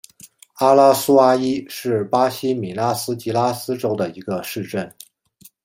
阿拉苏阿伊是巴西米纳斯吉拉斯州的一个市镇。